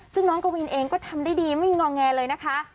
ซึ่งน้องกวินเองก็ทำได้ดีไม่มีงอแงเลยนะคะ